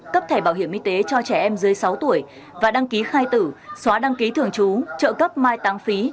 cấp thẻ bảo hiểm y tế cho trẻ em dưới sáu tuổi và đăng ký khai tử xóa đăng ký thường trú trợ cấp mai tăng phí